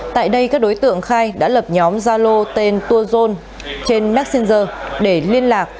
tại đây các đối tượng khai đã lập nhóm gia lô tên tourzone trên messenger để liên lạc